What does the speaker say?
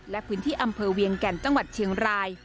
และพื้นที่อำเภอเวียงแก่นจังหวัดเชียงราย